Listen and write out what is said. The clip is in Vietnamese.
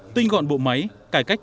tinh gọn bộ máy cải cách